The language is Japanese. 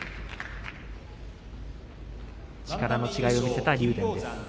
力の違いを見せた竜電です。